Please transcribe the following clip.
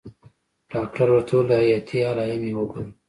ډاکتر ورته وويل حياتي علايم يې وګوره.